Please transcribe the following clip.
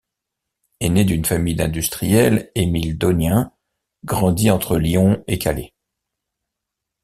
Aîné d’une famille d’industriels, Émile Dognin grandit entre Lyon et Calais.